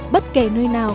bất kể nơi nào